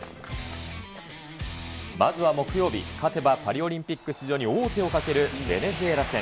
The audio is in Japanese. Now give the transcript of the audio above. まずは木曜日、勝てばパリオリンピック出場に王手をかけるベネズエラ戦。